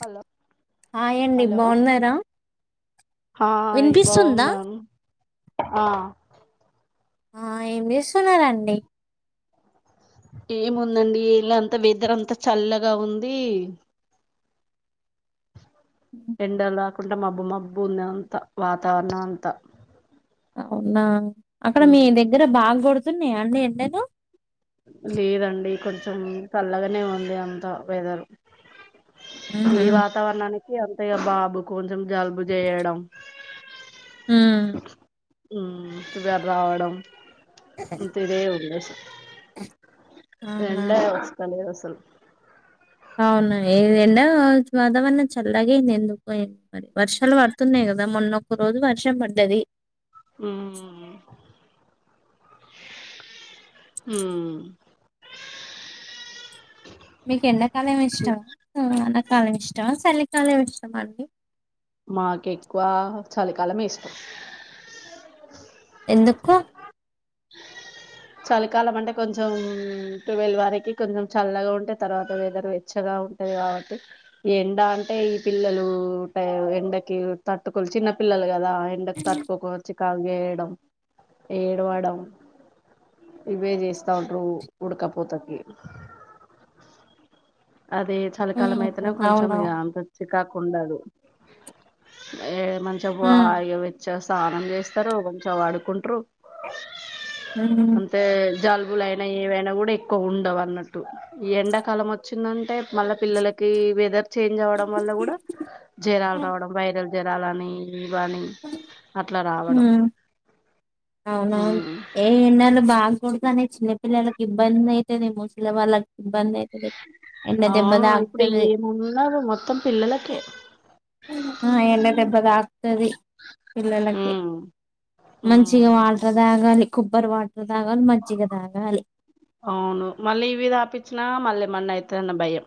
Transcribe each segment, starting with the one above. Hello hi అండి hello బాగున్నారా hi వినిపిస్తుందా బాగున్నాను ఆ ఆ ఏం చేస్తున్నారండి ఏముందండి ఇలా అంత వెదర్ అంతా చల్లగా ఉంది ఎండలా ఉత్త మబ్బు మబ్బు ఉంది అంత వాతావరణం అంతా అవునా అక్కడ మీ దగ్గర బాగకొడు వతున్నాయి అండి ఎండలు లేదండి కొంచెం చల్లగానే ఉంది అంత వేదరు ఉహు, ఈ వాతావరణానికి ఈ అంత బాబు కొంచెం జలుబు చేయడం ఉ ఉ ఫీవర్ రావడం అంత ఇదే ఉన్ దష ఎండ అవునా నే వస్తలేదు అసలు అవును ఎండో వాతావరణం చల్లాగయింది ఎందుకే మరి వర్షాలు పడుతున్నాయి కదా మొన్న ఒక రోజు వర్షం పడ్డది ఉ మీకు ఎండా కాలం ఇష్టం ఆ వాన ఎండాకాలం ఇష్టమా చలికాలం ఇష్టమా అండి మాకు ఎక్కువ చలికాలమే ఇష్టం ఎందుకు చలికాలం అంటే కొంచెం ట్వెల్వ్ వరకి కొంచెం చలిగా తర్వాత వెదరు వెచ్చగా ఉంటది కాబట్టి ఎండా అంటే ఈ పిల్లలు పా ఎండకి పట్టుకొలి చిన్నపిల్లలు కదా ఎండకు తట్టుకోకపోవచ్చు కాగేయడం ఏడవడం ఇవే చేస్తా ఉంట్రు ఉడకపోతకి అదే చలికాలం ఉమ్, అయితేనే కొంచెం ఇ అవునవును అంతలకి కాకుండదు ఏ మంచ ఉమ్ బాగా విచ్చేస్ స్నానం చేస్తారు కొంచము ఆడుకుంటరు ఉమ్ అంటే జల్ వులైన ఏవైనా కూడా ఎక్కువ ఉండవు అన్నట్టు ఎండాకాలం వచ్చిందంటే మళ్ళీ పిల్లలకి వెదర్ చేంజ్ అవ్వడం వల్ల గుడా జరాలు రావడం వైరల్ జరాలని ఇవన్ అట్ల మ్ ఆ ఉమ్ ఏ ఎండలు బా కొడతాన్నయి చిన్న పిల్లలక్ ఇబ్బందయితయి ముసలి వాళ్ళకి ఇబ్బంది అయి ఆ ఇప్పుడు ఏమున్నరు మొత్తం పిల్లలకే మ్ ఎండ దెబ్బ తాక్తది. పిల్లలకి ఉమ్ మంచిగా ఉమ్ వాటర్ తాగాలి కొబ్బర్ వా అవును మళ్ళీ ఇవి తాగ్చ్చిన మల్లె మన్న అయితదన్న భయం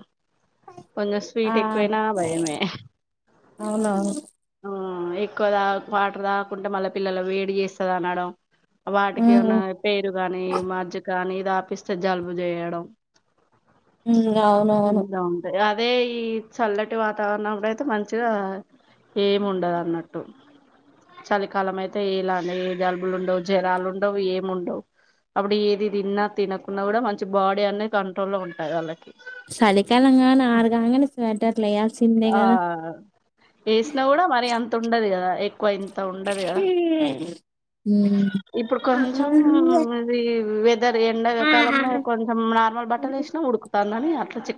కొంచం ఆ స్వీట్ ఎక్కువైనా భయమే అవునవును మ్ ఎక్కువ తాగ్ వాటర్ తాగకుంటే మళ్ళ పిల్లల వేడి చేస్తద్ అనడం వాటికి ఉన్న ఉమ్ పేరు కాని మార్జ్ కానీ దాపిస్తే జలుబు చేయడం హ్మ్ అవునవును ఇలా ఉంటాయి అదే ఈ చల్లటి వాతావరణంల అయితే మంచిగా ఏం ఉండదన్నట్టు చలికాలం అయితే ఇలానే ఏ జలుబులుండవు జరాలుండవు ఏమిండవు. అప్పుడు ఏది తిన్న తినకున్నా గుడా మంచి బాడీ అనేది కంట్రోల్లో ఉంటాయి వాళ్ళకి చలికాలంగాన్ ఆరుగాంగనే స్వెటర్లు ఏయాల్సిందే కదా ఏసినా గుడా మరి అంత ఉండది కదా ఎ ఎక్కువ ఇంత ఉండది కదా ఉమ్ ఇప్పుడు కొంచం ఇది ద్దర్ ఎండకాలంలో కొంచం నార్మల్ బట్టల్ ఏసినా ఉడుకుతా [unintelligible]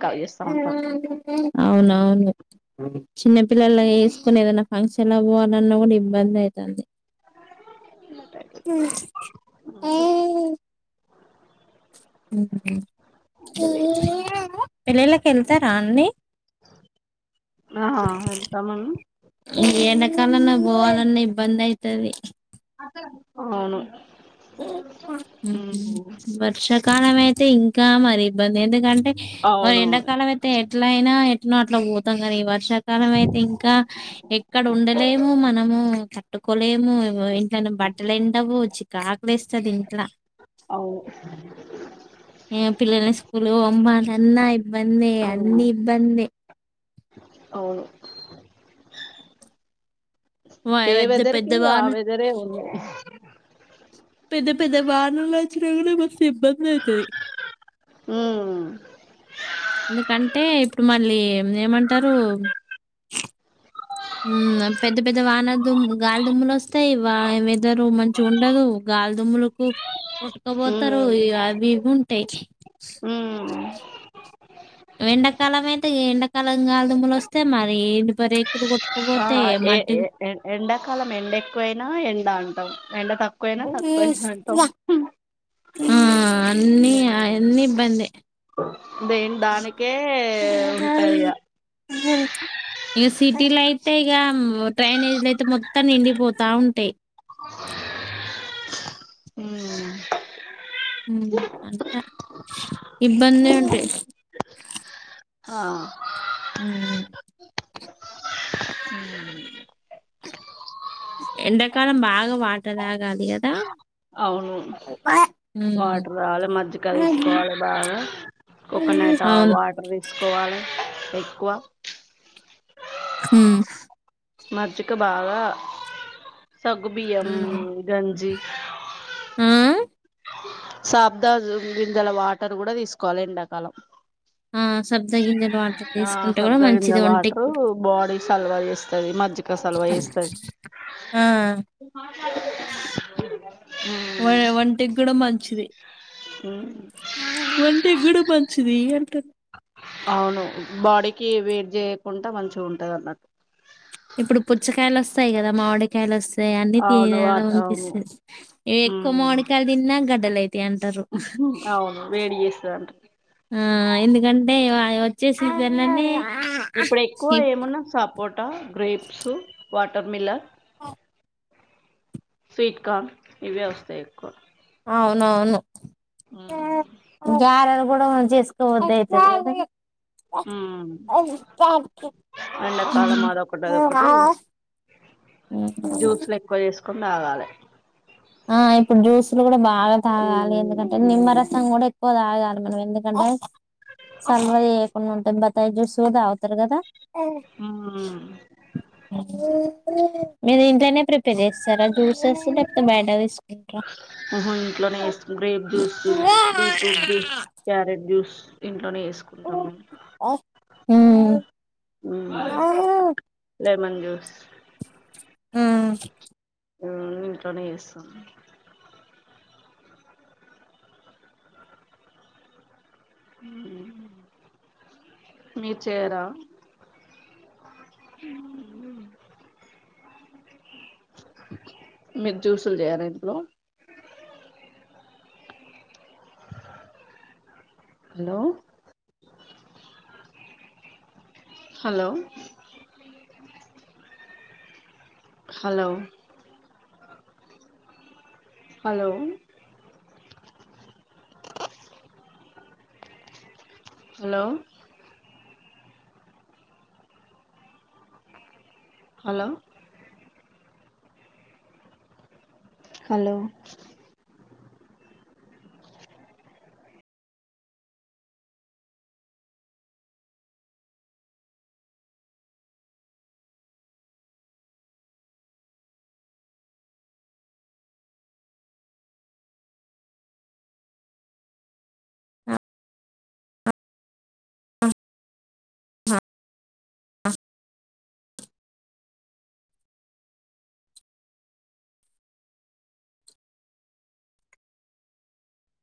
అవునవును చిన్నపిల్లలా ఎస్కొని ఏదైనా ఫంక్షన్ల పోవాలన్న గుడా ఇబ్బందయితంది. ఆహా హ పెళ్ళిలక్ ఎల్తరా అండి ఆ వెళ్తా మేడం ఈ ఎండాకాలంలో పోవాలన్నా ఇబ్బంది అయితది అవును ఉమ్ వర్షా కాలమే తే ఇంకా మరి ఇబ్బంది ఎందుకంటే అవును ఎండాకాలం అయితే ఎట్ల అయినా ఎట్నో అట్లా పోతాం కానీ వర్షాకాలం అయితే ఇంకా ఎక్కడ ఉండలేము మనము లేము ఇంట్లోనే బట్టలు ఎండవు చి అవు ఈ పిల్లల్ని స్కూల్ కి పంపాలన్న బందీ అన్ని ఉమ్ ఇబ్బంది అవును వా ఏ పెద్ద వెదర్ పెద్ద కి ఆ వాన వెదరే ఉన్నాయి పెద్ద పెద్ద వానలు వచ్చిన కూడా మస్తు ఇబ్బంది అవుతది హ ఎందుకంటే ఇప్పుడు మళ్ళీ ఏం చేయమంటారు పెద్ద పెద్ద వాన దుమ్ము గాలిదుమ్ములు వస్తాయి వా వేదరు మంచిగా ఉండదు గాలిదుమ్ములకు ఉమ్ కొట్టుకపోతారు అవి ఇవి ఉంటయి ఉమ్ ఎండకాలం అయితే ఎండకాలం గాలిదుమ్మలు వస్తే మరి ఎండిపో ఆ ఏ ఎండాకాలం ఎండ ఎక్కువైనా ఎండ అంటాం ఎండ తక్కువయినా తక్కువయిందంటం ఆ! అన్నీ అన్నీ ఇబ్బందే. దెం దానికే ఉంటాయిక అంతే గా డ్రైనేజ్ల అయితే మొత్తం నిండిపోతా ఉంటాయి ఉ హ అంతా ఇబ్బందే ఉంటాయి అ అ ఎండకాలం భాగ అవును వాటర్ తాగాలి మజ్జిగ తీసుకోవాలి బాగా కోకోనట్ అవును వాటర్ తీసుకోవాలి ఎక్కువ హ మజ్జిక బాగా సగ్గుబియ్యం గంజి ఆ సాబ్ద గింజల వాటర్ కూడా తీసుకోవాలి ఎండాకాలం ఆ సబ్జా గింజల వాటర్ ఆ తీసుకుంటే కూడా సబ్జా గింజ మంచిది వాటరు ఒంటికి బాడీ సలువ చేస్తది మజ్జిగ సలువ చేస్తది ఆ వ ఒంటి కూడా మంచిది ఆ ఒంటే కూడా బంచది అంట అవును బాడీకి వేడి చేయకుండా మంచిగా ఉంటది అన్నట్టు ఇప్పుడు పుచ్చకాయలు వస్తాయి కదా మామిడికాయలు వస్తాయి అన్ని అవును తినేలా వాత అవును అనిపిస్తంది ఎక్కువ ఉమ్ మామిడికాయలు తిన్నా గడ్డలు అయితాయి అంటారు అవును [unintelligible] ఆ ఎందుకంటే ఆ వచ్చేసిందికనండి ఇప్పుడు ఎక్కువ ఏమున్నా సపోటా grapes water Miller [unintelligible] sweet corn ఇవే వస్తాయి ఎక్కువ అవునవును ఆ గారెలు కూడా చేసుకోవద అయితది ఉమ్ ఎండాకాలం అదొకటి అదొకటి హ్మ్ హ్మ్ ండగాాల ఆ ఇప్పుడు జ్యూసులు కూడా బా బాగా తాగాలి ఎందుకంటే ఉమ్ నిమ్మరసం కూడా పోదాగా మన ఎందుకంటే సలవ చేయకుండా బత్తాయి జూసు తాగుతాడు కదా ఆ నేను ఇంట్లోనే ప్రిపేర్ తినేసారా జ్యూసెస్ డెప్ హ్మ్ ఇంట్లోనే చేసుకుంటాం grape juice beetroot juice carrot juice ఇంట్లోనే ఆ ఉమ్, హ్మ్ ఆ లెమన్ జ్యూస్ హ్మ్ హ్మ్ ఇంట్లోనే చేస్తాం మీరు చేయరా మీరు జ్యూసులు చేయరా ఇంట్లో hello hello hello hello hello hello hello